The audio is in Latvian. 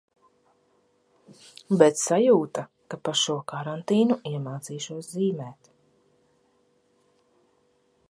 Bet sajūta, ka pa šo karantīnu iemācīšos zīmēt.